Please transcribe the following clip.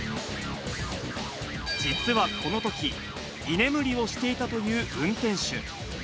実はこのとき、居眠りをしていたという運転手。